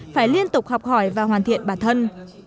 phải liên tục học hỏi và hoàn thiện bản thân